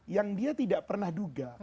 yang dia tidak pernah duga